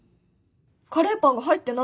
カレーパンが入ってない。